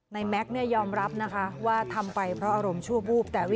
แม็กซ์ยอมรับนะคะว่าทำไปเพราะอารมณ์ชั่ววูบ